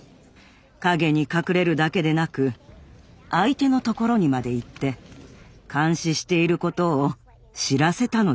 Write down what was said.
陰に隠れるだけでなく相手のところにまで行って監視していることを知らせたのです。